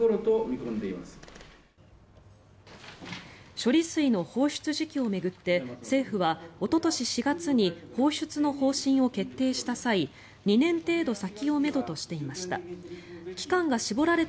処理水の放出時期を巡って政府はおととし４月に放出の方針を決定した際２年程度先をめどとしていました。